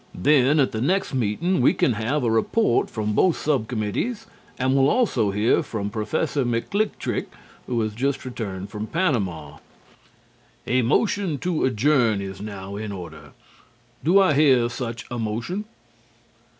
_ Then, at the next meeting we can have a report from both sub committees and will also hear from Professor McKlicktric, who has just returned from Panama.... A motion to adjourn is now in order. Do I hear such a motion?"